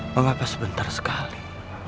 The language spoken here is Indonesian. mengapa sebentar sekali